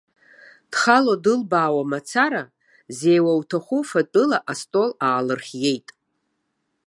Дхало-дылбаауа мацара, зеиуа уҭаху фатәыла астол аалырхиеит.